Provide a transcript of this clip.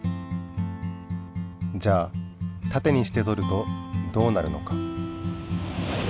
じゃあたてにしてとるとどうなるのか？